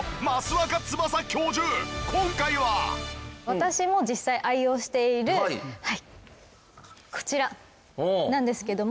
私も実際愛用しているはいこちらなんですけども。